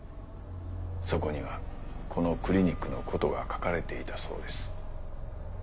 そこにはこのクリニックのことが書かれていたそうです。